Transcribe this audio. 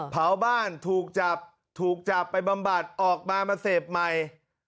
เผาบ้านถูกจับถูกจับไปบำบัดออกมามาเสพใหม่